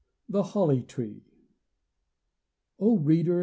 THE HOLLY TREE. O reader!